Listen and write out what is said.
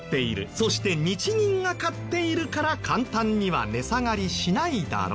そして日銀が買っているから簡単には値下がりしないだろう。